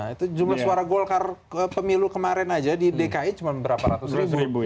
itu jumlah suara golkar ke pemilu kemarin aja di dki cuma berapa ratus ribu ya